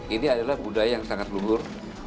ini adalah budaya yang sangat luhur